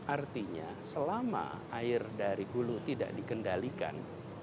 artinya selama air dari hulu tidak dikendalikan